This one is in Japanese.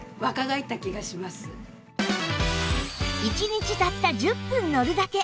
１日たった１０分乗るだけ